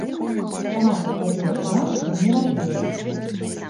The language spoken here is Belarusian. Сама па сабе тэматыка не ратуе.